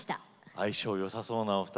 相性よさそうなお二人。